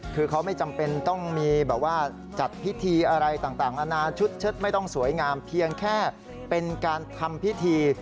คือเขาไม่จำเป็นต้องมีแบบว่าจัดพิธีอะไรต่างนานาชุดเชิดไม่ต้องสวยงามเพียงแค่เป็นการทำพิธี